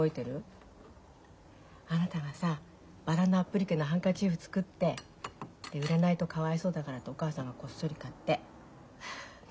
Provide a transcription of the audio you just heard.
あなたがさバラのアップリケのハンカチーフ作ってで売れないとかわいそうだからってお母さんがこっそり買って。